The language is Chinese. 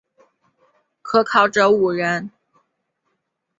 可考者五人。